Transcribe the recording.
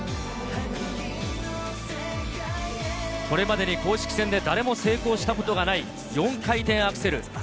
これまでに公式戦で誰も成功したことがない４回転アクセル。